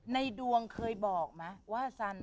ในดวงเคยบอกไหมว่าสัน